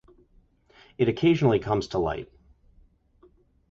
It occasionally comes to light.